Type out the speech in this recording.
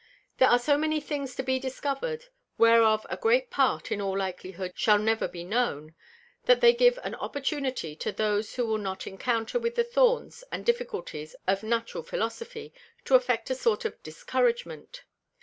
There are so many things to be discover'd, whereof a great part, in all likelyhood shall never be known; that they give an opportunity to those who will not encounter with the Thorns and Difficulties of Natural Philosophy, to affect a sort of Discouragement.